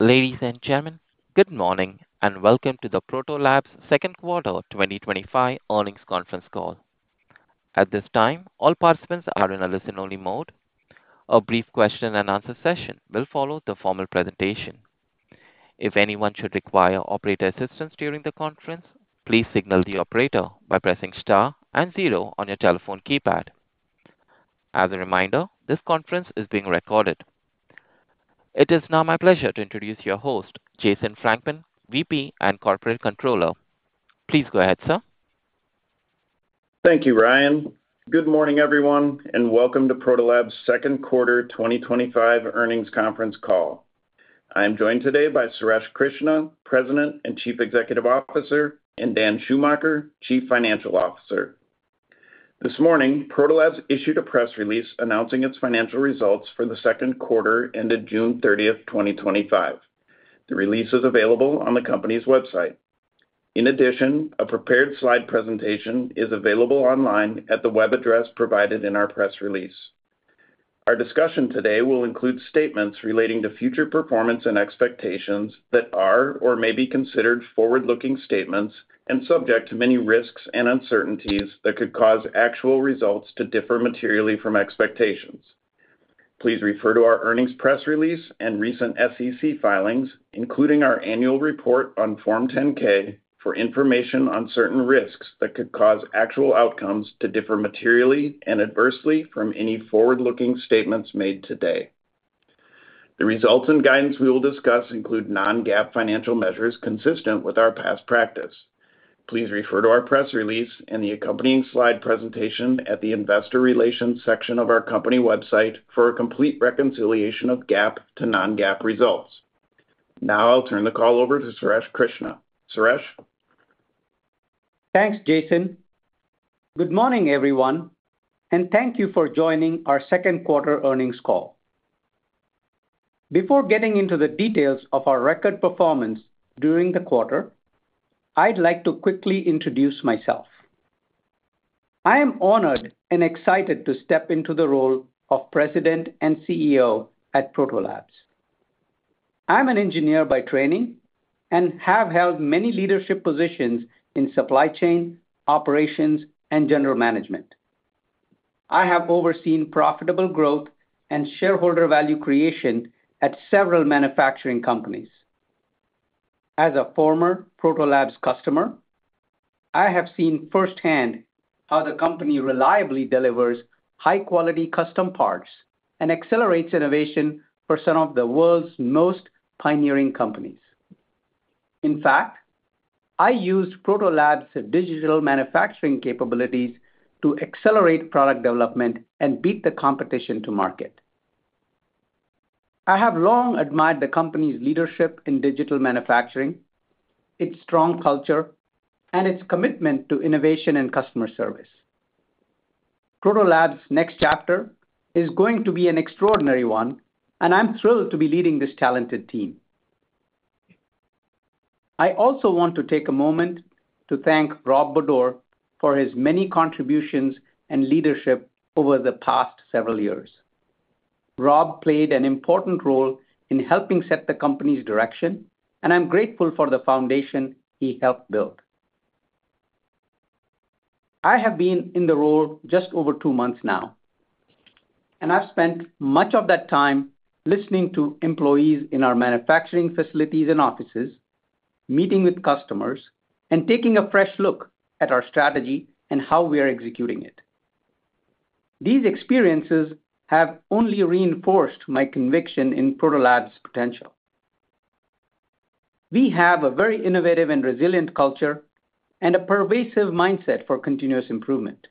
Ladies and gentlemen, good morning and welcome to the Proto Labs' Second Quarter 2025 Earnings Conference Call. At this time, all participants are in a listen-only mode. A brief question and answer session will follow the formal presentation. If anyone should require operator assistance during the conference, please signal the operator by pressing star and zero on your telephone keypad. As a reminder, this conference is being recorded. It is now my pleasure to introduce your host, Jason Frankman, VP and Corporate Controller. Please go ahead, sir. Thank you, Ryan. Good morning, everyone, and welcome to Proto Labs' Second Quarter 2025 Earnings Conference Call. I am joined today by Suresh Krishna, President and Chief Executive Officer, and Dan Schumacher, Chief Financial Officer. This morning, Proto Labs issued a press release announcing its financial results for the second quarter ended June 30, 2025. The release is available on the company's website. In addition, a prepared slide presentation is available online at the web address provided in our press release. Our discussion today will include statements relating to future performance and expectations that are or may be considered forward-looking statements and subject to many risks and uncertainties that could cause actual results to differ materially from expectations. Please refer to our earnings press release and recent SEC filings, including our annual report on Form 10-K, for information on certain risks that could cause actual outcomes to differ materially and adversely from any forward-looking statements made today. The results and guidance we will discuss include non-GAAP financial measures consistent with our past practice. Please refer to our press release and the accompanying slide presentation at the Investor Relations section of our company website for a complete reconciliation of GAAP to non-GAAP results. Now I'll turn the call over to Suresh Krishna. Suresh? Thanks, Jason. Good morning, everyone, and thank you for joining our second quarter earnings call. Before getting into the details of our record performance during the quarter, I'd like to quickly introduce myself. I am honored and excited to step into the role of President and CEO at Proto Labs. I'm an engineer by training and have held many leadership positions in supply chain, operations, and general management. I have overseen profitable growth and shareholder value creation at several manufacturing companies. As a former Proto Labs customer, I have seen firsthand how the company reliably delivers high-quality custom parts and accelerates innovation for some of the world's most pioneering companies. In fact, I used Proto Labs' digital manufacturing capabilities to accelerate product development and beat the competition to market. I have long admired the company's leadership in digital manufacturing, its strong culture, and its commitment to innovation and customer service. Proto Labs' next chapter is going to be an extraordinary one, and I'm thrilled to be leading this talented team. I also want to take a moment to thank Rob Bodor for his many contributions and leadership over the past several years. Rob played an important role in helping set the company's direction, and I'm grateful for the foundation he helped build. I have been in the role just over two months now, and I've spent much of that time listening to employees in our manufacturing facilities and offices, meeting with customers, and taking a fresh look at our strategy and how we are executing it. These experiences have only reinforced my conviction in Proto Labs' potential. We have a very innovative and resilient culture and a pervasive mindset for continuous improvement.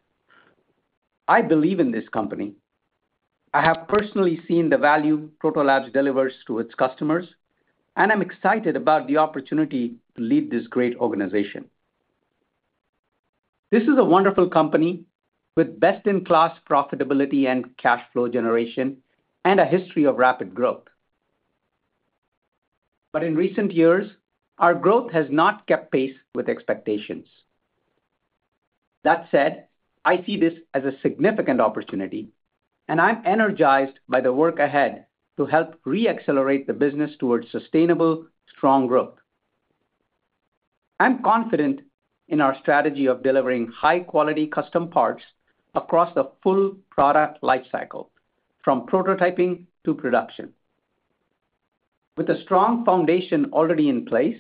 I believe in this company. I have personally seen the value Proto Labs delivers to its customers, and I'm excited about the opportunity to lead this great organization. This is a wonderful company with best-in-class profitability and cash flow generation and a history of rapid growth. In recent years, our growth has not kept pace with expectations. That said, I see this as a significant opportunity, and I'm energized by the work ahead to help re-accelerate the business towards sustainable, strong growth. I'm confident in our strategy of delivering high-quality custom parts across the full product lifecycle, from prototyping to production. With a strong foundation already in place,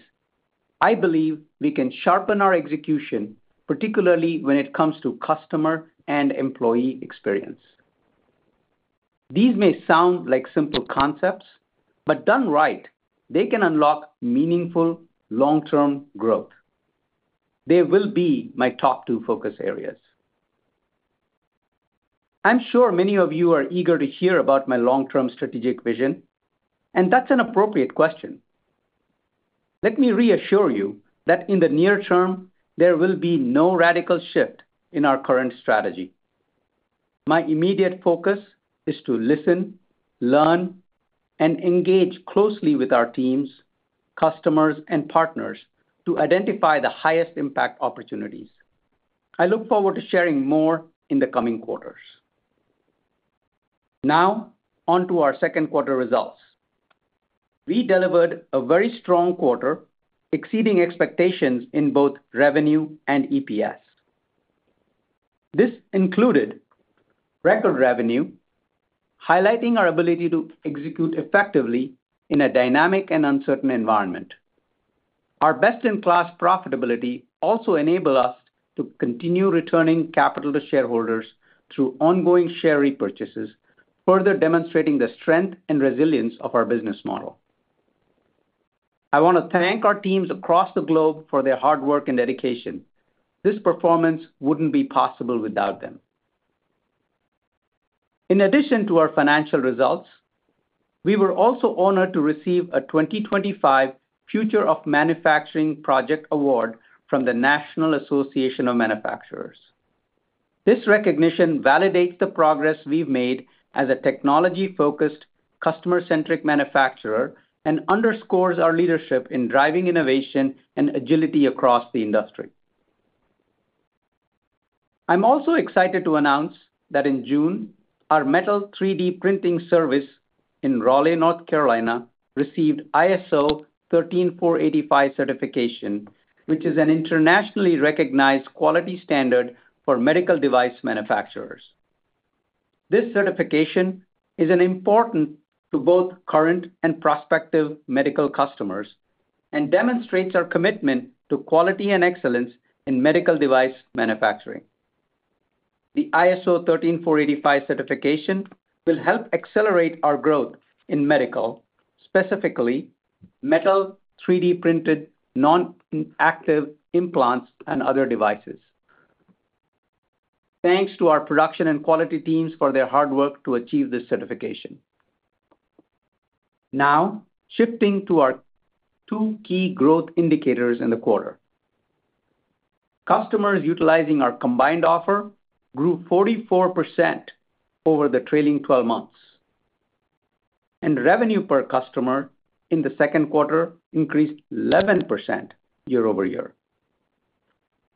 I believe we can sharpen our execution, particularly when it comes to customer and employee experience. These may sound like simple concepts, but done right, they can unlock meaningful long-term growth. They will be my top two focus areas. I'm sure many of you are eager to hear about my long-term strategic vision, and that's an appropriate question. Let me reassure you that in the near term, there will be no radical shift in our current strategy. My immediate focus is to listen, learn, and engage closely with our teams, customers, and partners to identify the highest impact opportunities. I look forward to sharing more in the coming quarters. Now, on to our second quarter results. We delivered a very strong quarter, exceeding expectations in both revenue and EPS. This included record revenue, highlighting our ability to execute effectively in a dynamic and uncertain environment. Our best-in-class profitability also enabled us to continue returning capital to shareholders through ongoing share repurchases, further demonstrating the strength and resilience of our business model. I want to thank our teams across the globe for their hard work and dedication. This performance wouldn't be possible without them. In addition to our financial results, we were also honored to receive a 2025 Future of Manufacturing Project Award from the National Association of Manufacturers. This recognition validates the progress we've made as a technology-focused, customer-centric manufacturer and underscores our leadership in driving innovation and agility across the industry. I'm also excited to announce that in June, our metal 3D printing service in Raleigh, North Carolina, received ISO 13485 certification, which is an internationally recognized quality standard for medical device manufacturers. This certification is important to both current and prospective medical customers and demonstrates our commitment to quality and excellence in medical device manufacturing. The ISO 13485 certification will help accelerate our growth in medical, specifically metal 3D printed non-active implants and other devices. Thanks to our production and quality teams for their hard work to achieve this certification. Now, shifting to our two key growth indicators in the quarter. Customers utilizing our combined offer grew 44% over the trailing 12 months, and revenue per customer in the second quarter increased 11% year-over-year.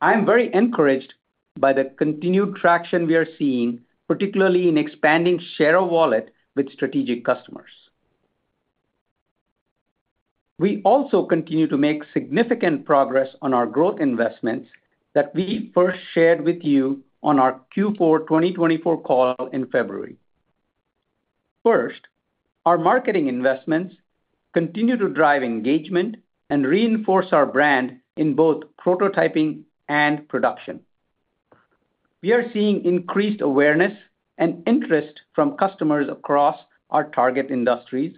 I'm very encouraged by the continued traction we are seeing, particularly in expanding Share-a-Wallet with strategic customers. We also continue to make significant progress on our growth investments that we first shared with you on our Q4 2024 call in February. First, our marketing investments continue to drive engagement and reinforce our brand in both prototyping and production. We are seeing increased awareness and interest from customers across our target industries,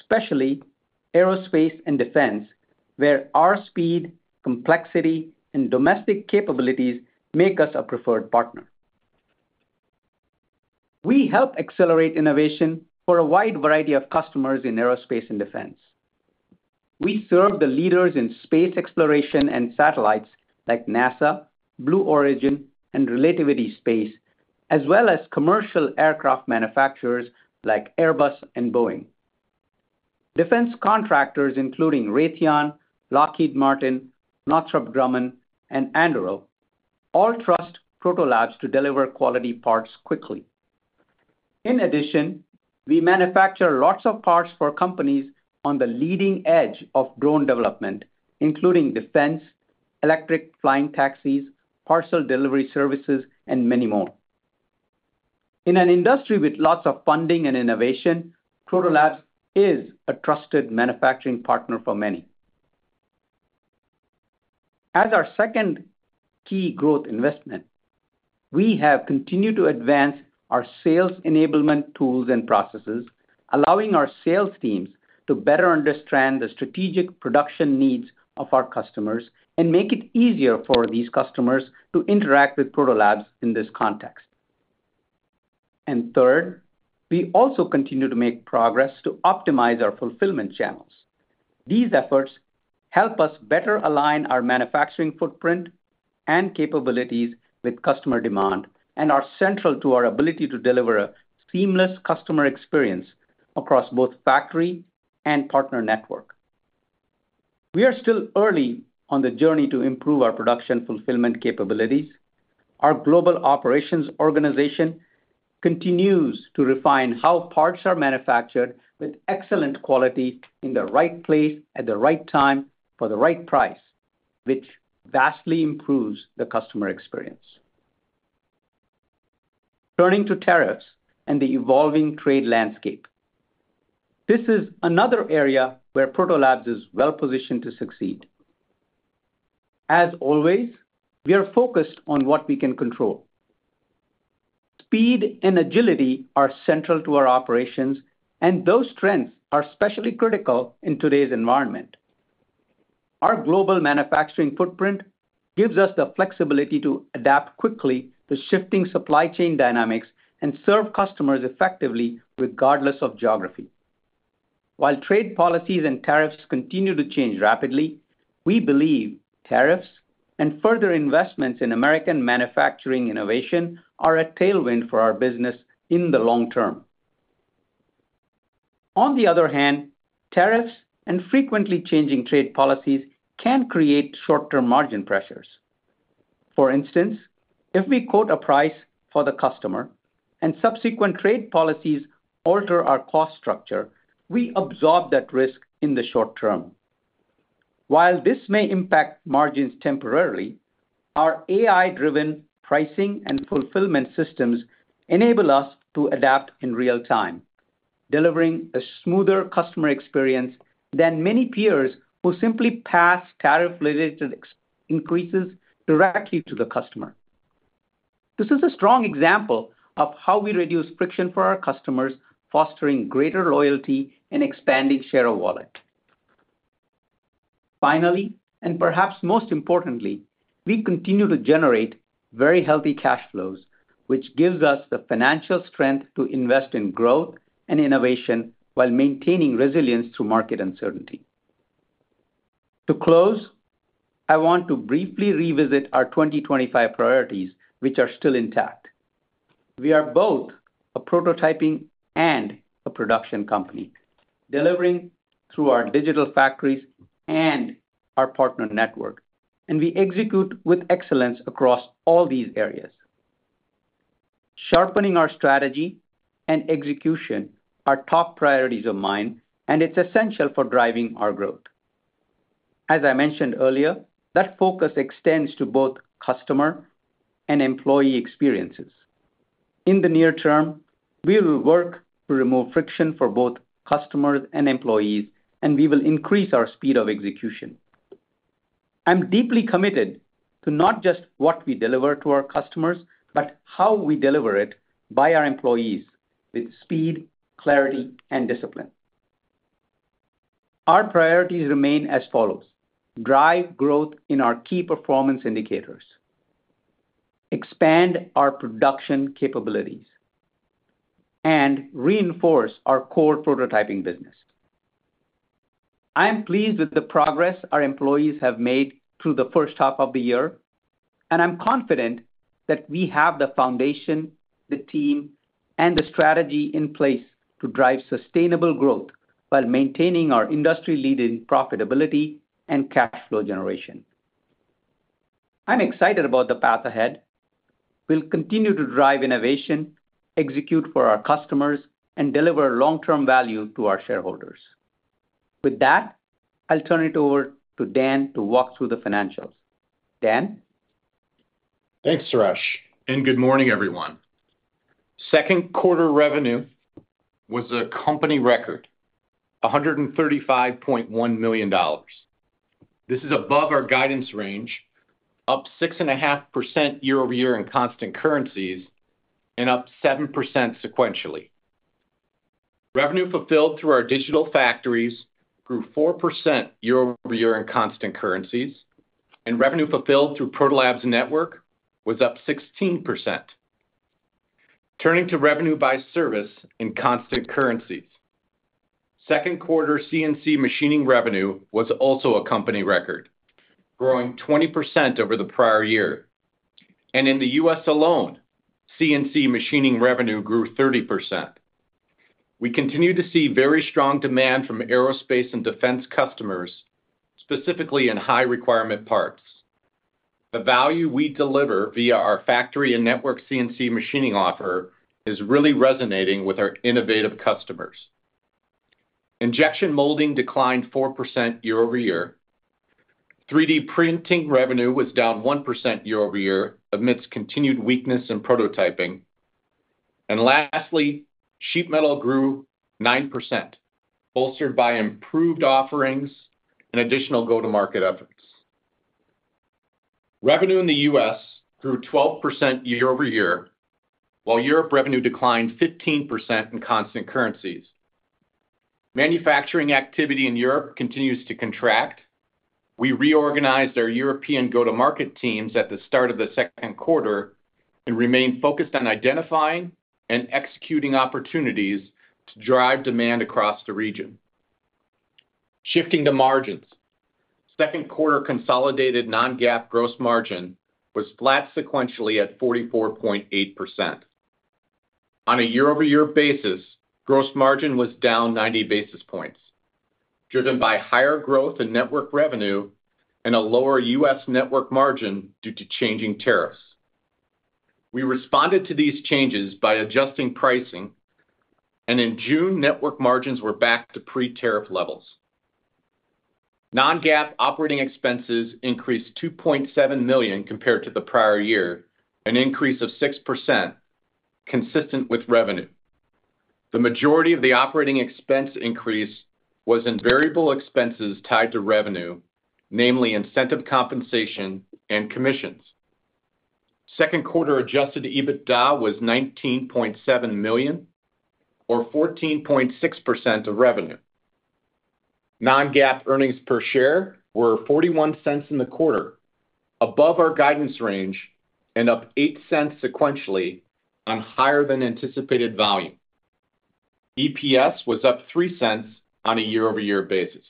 especially aerospace and defense, where our speed, complexity, and domestic capabilities make us a preferred partner. We help accelerate innovation for a wide variety of customers in aerospace and defense. We serve the leaders in space exploration and satellites like NASA, Blue Origin, and Relativity Space, as well as commercial aircraft manufacturers like Airbus and Boeing. Defense contractors, including Raytheon, Lockheed Martin, Northrop Grumman, and Anduril, all trust Proto Labs to deliver quality parts quickly. In addition, we manufacture lots of parts for companies on the leading edge of drone development, including defense, electric flying taxis, parcel delivery services, and many more. In an industry with lots of funding and innovation, Proto Labs is a trusted manufacturing partner for many. As our second key growth investment, we have continued to advance our sales enablement tools and processes, allowing our sales teams to better understand the strategic production needs of our customers and make it easier for these customers to interact with Proto Labs in this context. Third, we also continue to make progress to optimize our fulfillment channels. These efforts help us better align our manufacturing footprint and capabilities with customer demand and are central to our ability to deliver a seamless customer experience across both factory and partner network. We are still early on the journey to improve our production fulfillment capabilities. Our global operations organization continues to refine how parts are manufactured with excellent quality in the right place at the right time for the right price, which vastly improves the customer experience. Turning to tariffs and the evolving trade landscape, this is another area where Proto Labs is well positioned to succeed. As always, we are focused on what we can control. Speed and agility are central to our operations, and those strengths are especially critical in today's environment. Our global manufacturing footprint gives us the flexibility to adapt quickly to shifting supply chain dynamics and serve customers effectively, regardless of geography. While trade policies and tariffs continue to change rapidly, we believe tariffs and further investments in American manufacturing innovation are a tailwind for our business in the long term. On the other hand, tariffs and frequently changing trade policies can create short-term margin pressures. For instance, if we quote a price for the customer and subsequent trade policies alter our cost structure, we absorb that risk in the short term. While this may impact margins temporarily, our AI-driven pricing and fulfillment systems enable us to adapt in real time, delivering a smoother customer experience than many peers who simply pass tariff-related increases directly to the customer. This is a strong example of how we reduce friction for our customers, fostering greater loyalty and expanding Share-a-Wallet. Finally, and perhaps most importantly, we continue to generate very healthy cash flows, which gives us the financial strength to invest in growth and innovation while maintaining resilience through market uncertainty. To close, I want to briefly revisit our 2025 priorities, which are still intact. We are both a prototyping and a production company, delivering through our digital factories and our partner network, and we execute with excellence across all these areas. Sharpening our strategy and execution are top priorities of mine, and it's essential for driving our growth. As I mentioned earlier, that focus extends to both customer and employee experiences. In the near term, we will work to remove friction for both customers and employees, and we will increase our speed of execution. I'm deeply committed to not just what we deliver to our customers, but how we deliver it by our employees with speed, clarity, and discipline. Our priorities remain as follows: drive growth in our key performance indicators, expand our production capabilities, and reinforce our core prototyping business. I am pleased with the progress our employees have made through the first half of the year, and I'm confident that we have the foundation, the team, and the strategy in place to drive sustainable growth while maintaining our industry-leading profitability and cash flow generation. I'm excited about the path ahead. We'll continue to drive innovation, execute for our customers, and deliver long-term value to our shareholders. With that, I'll turn it over to Dan to walk through the financials. Dan. Thanks, Suresh, and good morning, everyone. Second quarter revenue was a company record: $135.1 million. This is above our guidance range, up 6.5% year-over-year in constant currencies, and up 7% sequentially. Revenue fulfilled through our digital factories grew 4% year-over-year in constant currencies, and revenue fulfilled through Protolabs Network was up 16%. Turning to revenue by service in constant currencies, second quarter CNC machining revenue was also a company record, growing 20% over the prior year. In the U.S. alone, CNC machining revenue grew 30%. We continue to see very strong demand from aerospace and defense customers, specifically in high requirement parts. The value we deliver via our factory and network CNC machining offer is really resonating with our innovative customers. Injection molding declined 4% year-over-year. 3D printing revenue was down 1% year-over-year amidst continued weakness in prototyping. Lastly, sheet metal grew 9%, bolstered by improved offerings and additional go-to-market efforts. Revenue in the U.S. grew 12% year-over-year, while Europe revenue declined 15% in constant currencies. Manufacturing activity in Europe continues to contract. We reorganized our European go-to-market teams at the start of the second quarter and remain focused on identifying and executing opportunities to drive demand across the region. Shifting to margins, second quarter consolidated non-GAAP gross margin was flat sequentially at 44.8%. On a year-over-year basis, gross margin was down 90 basis points, driven by higher growth in network revenue and a lower U.S. network margin due to changing tariffs. We responded to these changes by adjusting pricing, and in June, network margins were back to pre-tariff levels. Non-GAAP operating expenses increased $2.7 million compared to the prior year, an increase of 6%, consistent with revenue. The majority of the operating expense increase was in variable expenses tied to revenue, namely incentive compensation and commissions. Second quarter adjusted EBITDA was $19.7 million, or 14.6% of revenue. Non-GAAP earnings per share were $0.41 in the quarter, above our guidance range, and up $0.08 sequentially on higher than anticipated volume. EPS was up $0.03 on a year-over-year basis.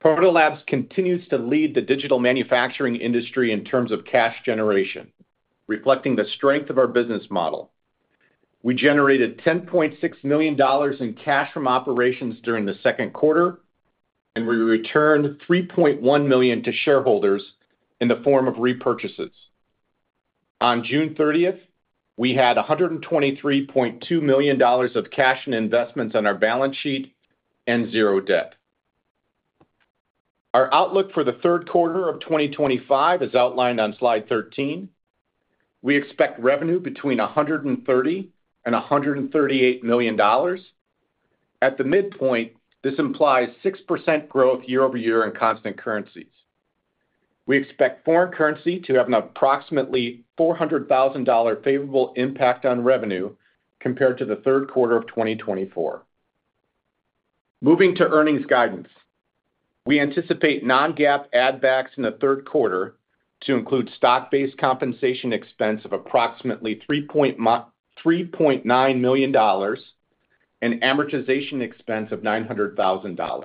Proto Labs continues to lead the digital manufacturing industry in terms of cash generation, reflecting the strength of our business model. We generated $10.6 million in cash from operations during the second quarter, and we returned $3.1 million to shareholders in the form of repurchases. On June 30, we had $123.2 million of cash and investments on our balance sheet and zero debt. Our outlook for the third quarter of 2025 is outlined on slide 13. We expect revenue between $130 million and $138 million. At the midpoint, this implies 6% growth year-over-year in constant currencies. We expect foreign currency to have an approximately $400,000 favorable impact on revenue compared to the third quarter of 2024. Moving to earnings guidance, we anticipate non-GAAP add-backs in the third quarter to include stock-based compensation expense of approximately $3.9 million and amortization expense of $900,000.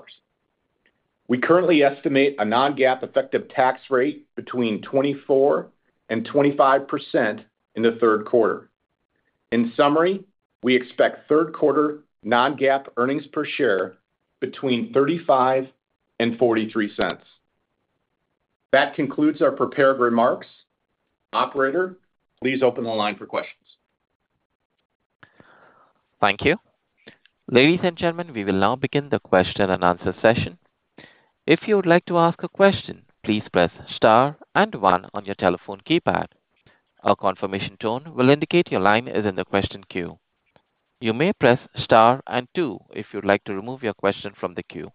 We currently estimate a non-GAAP effective tax rate between 24% and 25% in the third quarter. In summary, we expect third quarter non-GAAP earnings per share between $0.35 and $0.43. That concludes our prepared remarks. Operator, please open the line for questions. Thank you. Ladies and gentlemen, we will now begin the question and answer session. If you would like to ask a question, please press star and one on your telephone keypad. A confirmation tone will indicate your line is in the question queue. You may press star and two if you would like to remove your question from the queue.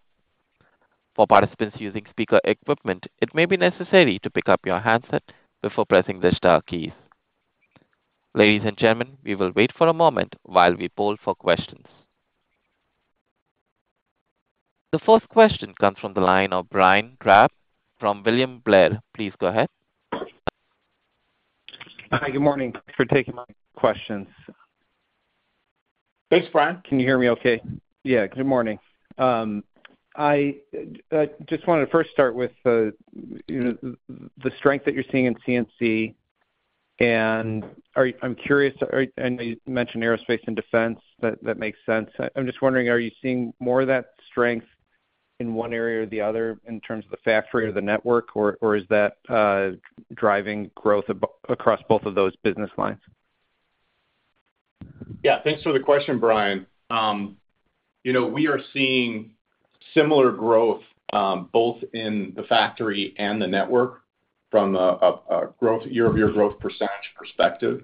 For participants using speaker equipment, it may be necessary to pick up your handset before pressing the star key. Ladies and gentlemen, we will wait for a moment while we poll for questions. The first question comes from the line of Brian Drab from William Blair. Please go ahead. Hi, good morning. Thanks for taking my questions. Thanks, Brian. Can you hear me okay? Yeah, good morning. I just wanted to first start with the strength that you're seeing in CNC. I'm curious, I know you mentioned aerospace and defense, that makes sense. I'm just wondering, are you seeing more of that strength in one area or the other in terms of the factory or the network, or is that driving growth across both of those business lines? Yeah, thanks for the question, Brian. You know, we are seeing similar growth both in the factory and the network from a year-over-year growth percentage perspective.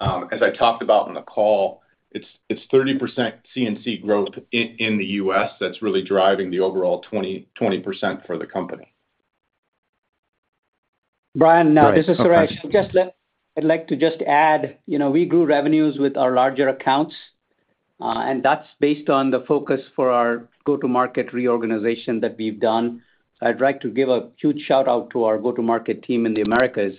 As I talked about on the call, it's 30% CNC machining growth in the U.S. that's really driving the overall 20% for the company. Brian, no, it's just I'd like to just add, you know, we grew revenues with our larger accounts. That's based on the focus for our go-to-market reorganization that we've done. I'd like to give a huge shout out to our go-to-market team in the Americas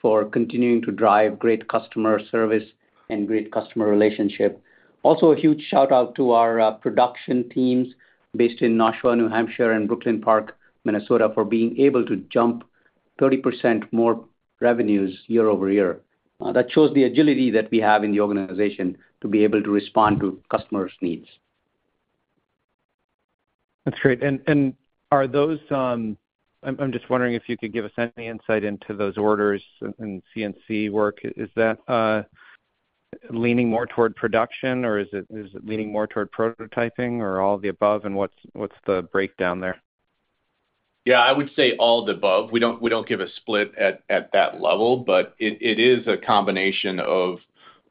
for continuing to drive great customer service and great customer relationship. Also, a huge shout out to our production teams based in Nashua, New Hampshire, and Brooklyn Park, Minnesota, for being able to jump 30% more revenues year-over-year. That shows the agility that we have in the organization to be able to respond to customers' needs. That's great. Are those, I'm just wondering if you could give us any insight into those orders and CNC work. Is that leaning more toward production, or is it leaning more toward prototyping, or all of the above? What's the breakdown there? Yeah, I would say all of the above. We don't give a split at that level, but it is a combination of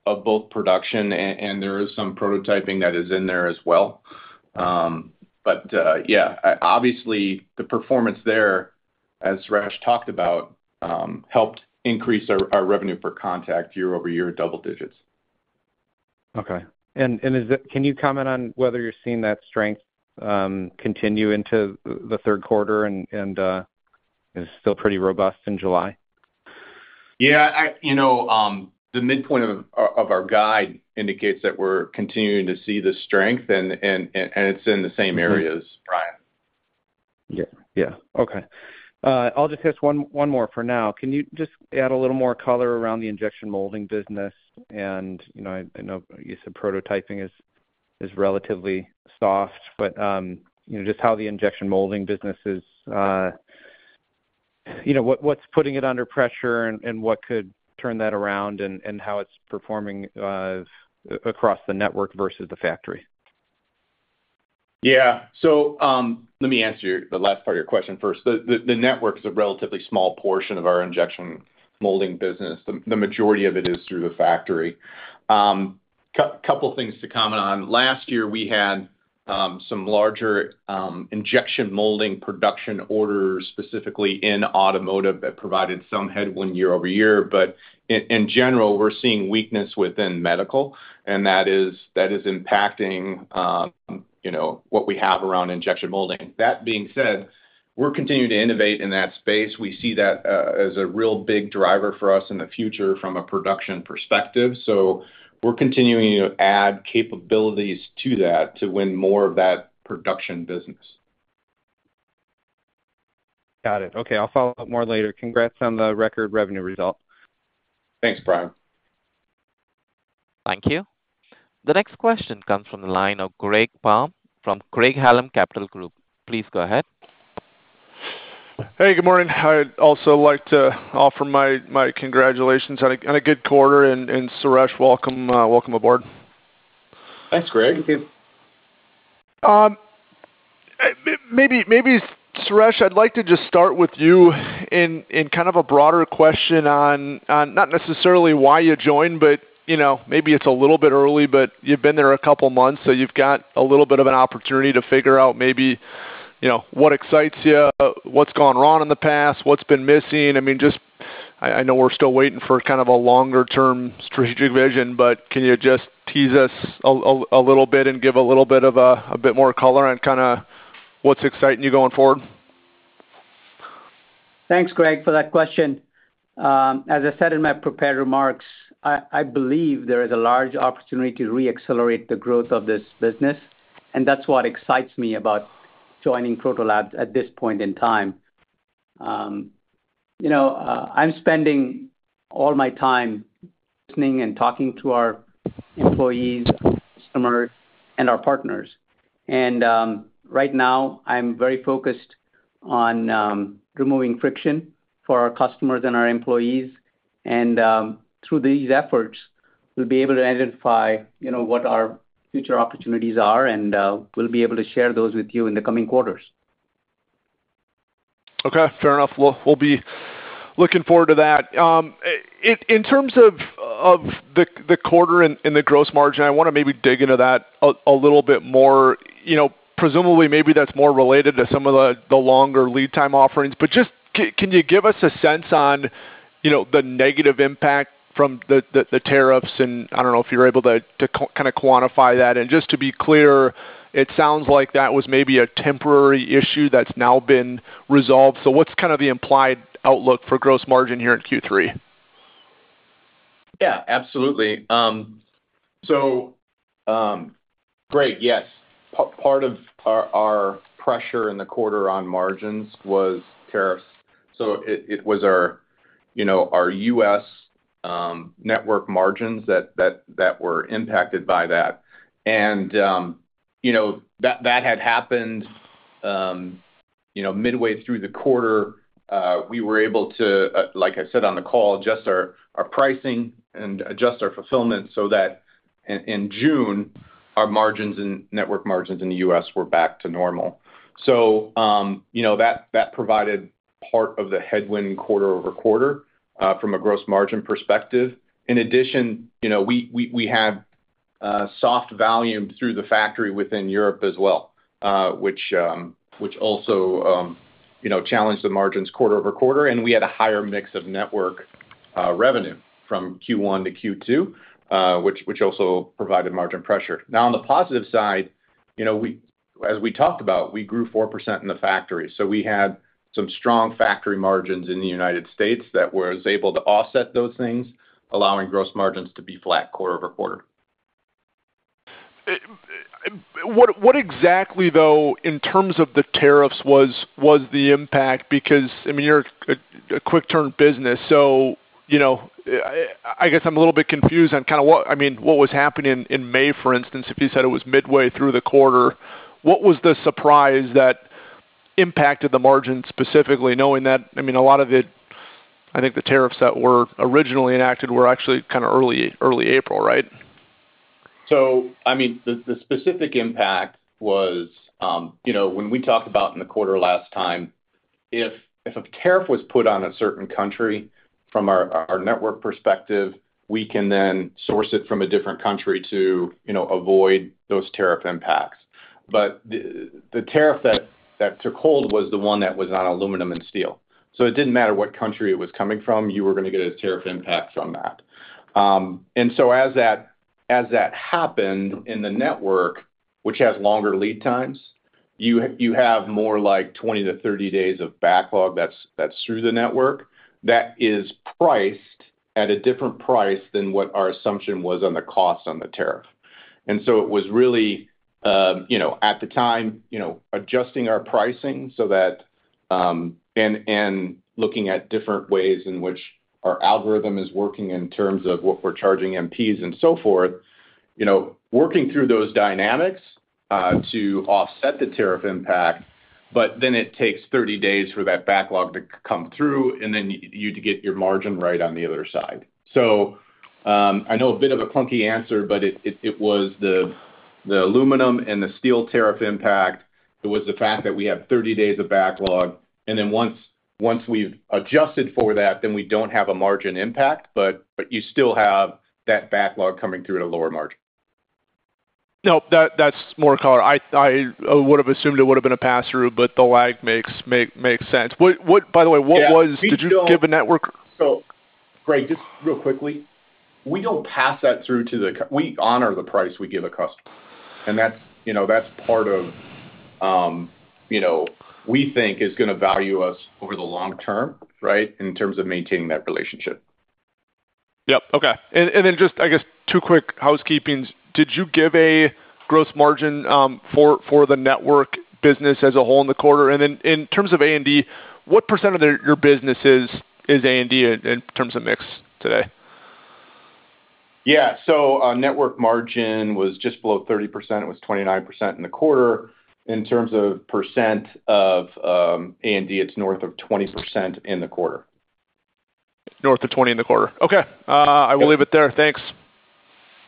both production, and there is some prototyping that is in there as well. Obviously, the performance there, as Suresh talked about, helped increase our revenue for contact year-over-year, double digits. Can you comment on whether you're seeing that strength continue into the third quarter, and is it still pretty robust in July? Yeah, you know, the midpoint of our guide indicates that we're continuing to see the strength, and it's in the same areas, Brian. Yeah, yeah. Okay. I'll just ask one more for now. Can you just add a little more color around the injection molding business? I know you said prototyping is relatively soft, but just how the injection molding business is, what's putting it under pressure, what could turn that around, and how it's performing across the network versus the factory? Yeah, let me answer the last part of your question first. The network is a relatively small portion of our injection molding business. The majority of it is through the factory. A couple of things to comment on. Last year, we had some larger injection molding production orders, specifically in automotive, that provided some headwind year-over-year. In general, we're seeing weakness within medical, and that is impacting what we have around injection molding. That being said, we're continuing to innovate in that space. We see that as a real big driver for us in the future from a production perspective. We're continuing to add capabilities to that to win more of that production business. Got it. Okay, I'll follow up more later. Congrats on the record revenue result. Thanks, Brian. Thank you. The next question comes from the line of Greg Palm from Craig-Hallum Capital Group. Please go ahead. Hey, good morning. I'd also like to offer my congratulations on a good quarter, and Suresh, welcome aboard. Thanks, Greg. Thank you. Maybe, Suresh, I'd like to just start with you in kind of a broader question on not necessarily why you joined, but you know, maybe it's a little bit early, but you've been there a couple of months, so you've got a little bit of an opportunity to figure out maybe, you know, what excites you, what's gone wrong in the past, what's been missing. I mean, just I know we're still waiting for kind of a longer-term strategic vision, but can you just tease us a little bit and give a little bit of a bit more color on kind of what's exciting you going forward? Thanks, Greg, for that question. As I said in my prepared remarks, I believe there is a large opportunity to re-accelerate the growth of this business, and that's what excites me about joining Proto Labs at this point in time. I'm spending all my time listening and talking to our employees, customers, and our partners. Right now, I'm very focused on removing friction for our customers and our employees. Through these efforts, we'll be able to identify what our future opportunities are, and we'll be able to share those with you in the coming quarters. Okay, fair enough. We'll be looking forward to that. In terms of the quarter and the gross margin, I want to maybe dig into that a little bit more. Presumably, maybe that's more related to some of the longer lead time offerings, but can you give us a sense on the negative impact from the tariffs? I don't know if you're able to kind of quantify that. Just to be clear, it sounds like that was maybe a temporary issue that's now been resolved. What's kind of the implied outlook for gross margin here in Q3? Yeah, absolutely. Greg, yes, part of our pressure in the quarter on margins was tariffs. It was our, you know, our U.S. network margins that were impacted by that, and that had happened midway through the quarter. We were able to, like I said on the call, adjust our pricing and adjust our fulfillment so that in June, our margins and network margins in the U.S. were back to normal. That provided part of the headwind quarter-over-quarter from a gross margin perspective. In addition, we had soft volume through the factory within Europe as well, which also challenged the margins quarter-over-quarter. We had a higher mix of network revenue from Q1 to Q2, which also provided margin pressure. On the positive side, as we talked about, we grew 4% in the factory. We had some strong factory margins in the United States that were able to offset those things, allowing gross margins to be flat quarter-over-quarter. What exactly, though, in terms of the tariffs was the impact? I mean, you're a quick-turn business. I guess I'm a little bit confused on kind of what, I mean, what was happening in May, for instance, if you said it was midway through the quarter. What was the surprise that impacted the margin specifically, knowing that, I mean, a lot of it, I think the tariffs that were originally enacted were actually kind of early April, right? The specific impact was, you know, when we talked about in the quarter last time, if a tariff was put on a certain country, from our network perspective, we can then source it from a different country to, you know, avoid those tariff impacts. The tariff that took hold was the one that was on aluminum and steel. It didn't matter what country it was coming from, you were going to get a tariff impact from that. As that happened in the network, which has longer lead times, you have more like 20 to 30 days of backlog that's through the network that is priced at a different price than what our assumption was on the cost on the tariff. It was really, you know, at the time, adjusting our pricing so that, and looking at different ways in which our algorithm is working in terms of what we're charging MPs and so forth, working through those dynamics to offset the tariff impact. It takes 30 days for that backlog to come through, and then you get your margin right on the other side. I know a bit of a clunky answer, but it was the aluminum and the steel tariff impact. It was the fact that we have 30 days of backlog. Once we've adjusted for that, then we don't have a margin impact, but you still have that backlog coming through at a lower margin. No, that's more color. I would have assumed it would have been a pass-through, but the lag makes sense. By the way, did you give a network? Greg, just real quickly, we don't pass that through to the, we honor the price we give a customer. That's part of, you know, we think is going to value us over the long term, right, in terms of maintaining that relationship. Okay. I guess two quick housekeepings. Did you give a gross margin for the Network business as a whole in the quarter? In terms of A&D, what percent of your business is A&D in terms of mix today? Yeah, so Network margin was just below 30%. It was 29% in the quarter. In terms of percent of A&D, it's north of 20% in the quarter. North of 20% in the quarter. Okay, I will leave it there. Thanks.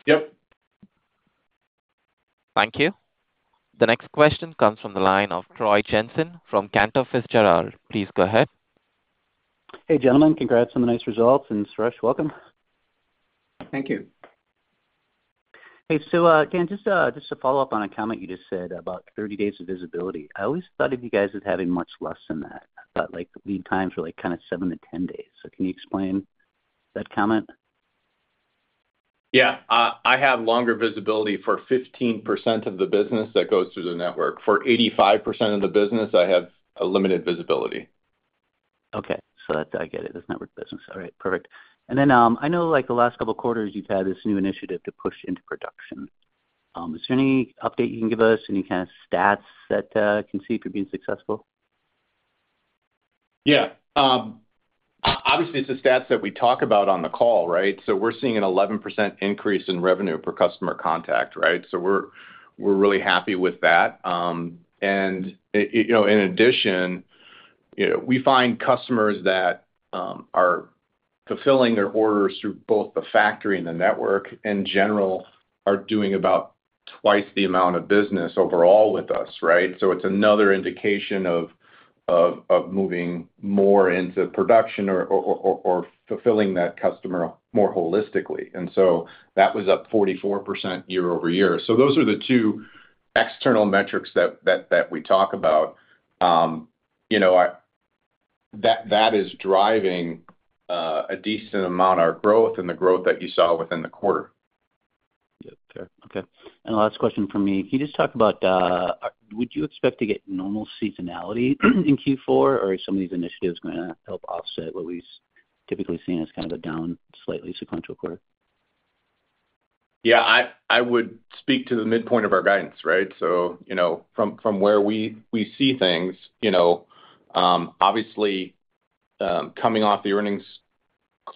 Yep. Thank you. The next question comes from the line of Troy Jensen from Cantor Fitzgerald. Please go ahead. Hey gentlemen, congrats on the nice results, and Suresh, welcome. Thank you. Hey, just a follow-up on a comment you just said about 30 days of visibility. I always thought of you guys as having much less than that. I thought lead times were like kind of seven to 10 days. Can you explain that comment? Yeah, I have longer visibility for 15% of the business that goes through the network. For 85% of the business, I have limited visibility. Okay, I get it. That's network business. All right, perfect. I know like the last couple of quarters you've had this new initiative to push into production. Is there any update you can give us? Any kind of stats that I can see if you're being successful? Yeah, obviously it's the stats that we talk about on the call, right? We're seeing an 11% increase in revenue per customer contact, right? We're really happy with that. In addition, we find customers that are fulfilling their orders through both the factory and the network in general are doing about twice the amount of business overall with us, right? It's another indication of moving more into production or fulfilling that customer more holistically. That was up 44% year-over-year. Those are the two external metrics that we talk about. That is driving a decent amount of our growth and the growth that you saw within the quarter. Okay. The last question from me, can you just talk about, would you expect to get normal seasonality in Q4, or is some of these initiatives going to help offset what we've typically seen as kind of a down slightly sequential quarter? I would speak to the midpoint of our guidance, right? From where we see things, obviously coming off the earnings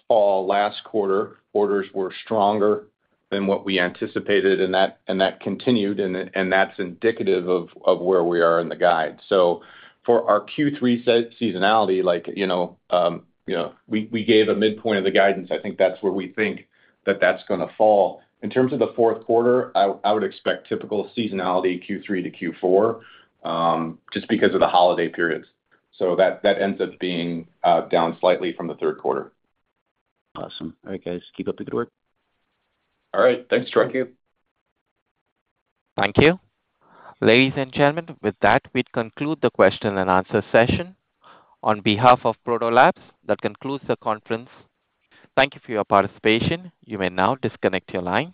call last quarter, orders were stronger than what we anticipated, and that continued, and that's indicative of where we are in the guide. For our Q3 seasonality, we gave a midpoint of the guidance. I think that's where we think that that's going to fall. In terms of the fourth quarter, I would expect typical seasonality Q3 to Q4, just because of the holiday periods. That ends up being down slightly from the third quarter. Awesome. All right, guys, keep up the good work. All right, thanks, Troy. Thank you. Thank you. Ladies and gentlemen, with that, we conclude the question and answer session. On behalf of Proto Labs, that concludes the conference. Thank you for your participation. You may now disconnect your lines.